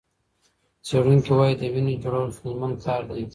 څېړونکي وايي، د وینې جوړول ستونزمن کار دی.